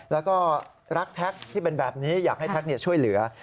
แล้วก็รักแท็กที่เป็นแบบนี้อยากให้แท็กช่วยเหลือ